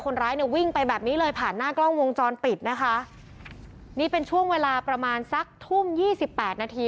คนร้ายเนี่ยวิ่งไปแบบนี้เลยผ่านหน้ากล้องวงจรปิดนะคะนี่เป็นช่วงเวลาประมาณสักทุ่มยี่สิบแปดนาที